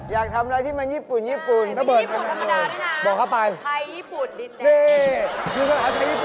อยากได้อะไรญี่ปุ่นญี่ปุ่นน่ะเหรอ